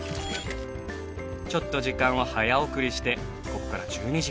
ちょっと時間を早送りしてここから１２時間後。